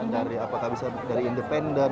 dari apakah bisa dari independen